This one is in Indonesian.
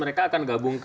mereka akan gabung ke